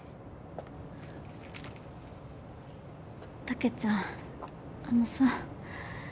たけちゃんあのさ。